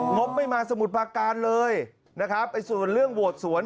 งบไม่มาสมุทรประการเลยนะครับไอ้ส่วนเรื่องโหวตสวน